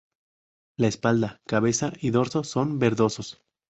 La espalda, cabeza y dorso son verdosos.